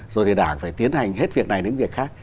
rồi thì đảng phải tiến hành hết việc này đến việc khác